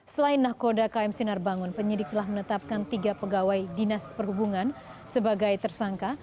selain nahkoda kmc narbangun penyidik telah menetapkan tiga pegawai dinas perhubungan sebagai tersangka